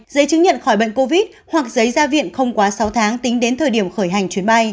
giấy chứng nhận khỏi bệnh covid hoặc giấy gia viện không quá sáu tháng tính đến thời điểm khởi hành chuyến bay